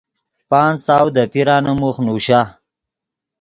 پانچ سو دے پیرانے موخ نوشا۔